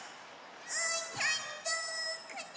うーたんどこだ？